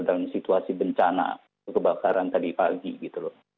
dalam situasi bencana kebakaran tadi pagi gitu loh